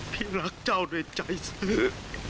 พี่รักเจ้าในใจซึ